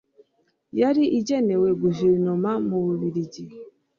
yari igenewe guverinoma mbiligi